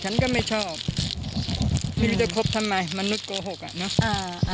ฉันก็ไม่ชอบไม่รู้จะคบทำไมมนุษย์โกหกอ่ะเนอะ